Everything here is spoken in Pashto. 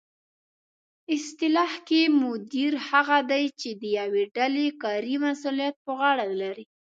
اصطلاح کې مدیر هغه دی چې د یوې ډلې کاري مسؤلیت په غاړه ولري